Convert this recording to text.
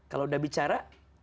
kalau udah bicara